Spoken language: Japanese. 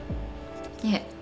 いえ。